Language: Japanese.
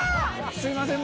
すいません